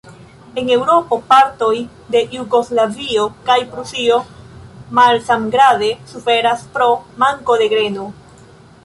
En Eŭropo, partoj de Jugoslavio kaj Rusio malsamgrade suferas pro manko de greno.